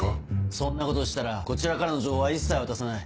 そんなことをしたらこちらからの情報は一切渡さない。